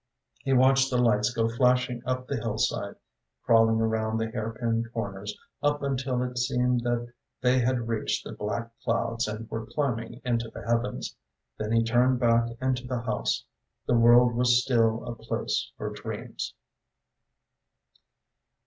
He watched the lights go flashing up the hillside, crawling around the hairpin corners, up until it seemed that they had reached the black clouds and were climbing into the heavens. Then he turned back into the house. The world was still a place for dreams.